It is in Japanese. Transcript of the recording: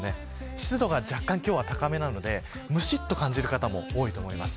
湿度が若干今日は高めなのでむしっと感じる方も多いと思います。